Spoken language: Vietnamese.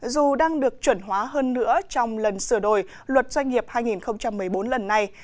dù đang được chuẩn hóa hơn nữa trong lần sửa đổi luật doanh nghiệp hai nghìn một mươi bốn lần này